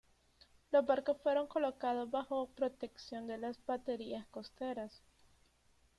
Los barcos fueron colocados bajo protección de las baterías costeras.